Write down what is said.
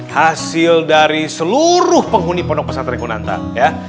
hasil dari seluruh penghuni pondok pesantren kunantang ya